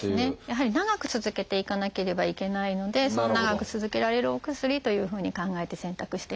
やはり長く続けていかなければいけないので長く続けられるお薬というふうに考えて選択しています。